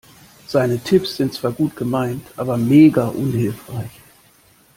Seine Tipps sind zwar gut gemeint aber mega unhilfreich.